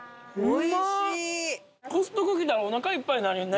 コストコ来たらおなかいっぱいになるね。